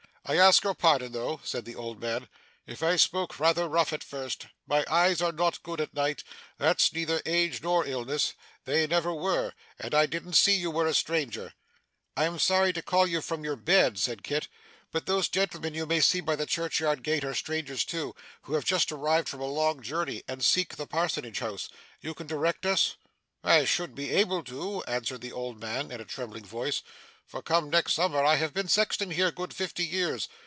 I ask your pardon though,' said the old man, 'if I spoke rather rough at first. My eyes are not good at night that's neither age nor illness; they never were and I didn't see you were a stranger.' 'I am sorry to call you from your bed,' said Kit, 'but those gentlemen you may see by the churchyard gate, are strangers too, who have just arrived from a long journey, and seek the parsonage house. You can direct us?' 'I should be able to,' answered the old man, in a trembling voice, 'for, come next summer, I have been sexton here, good fifty years.